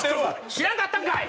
知らんかったんかい！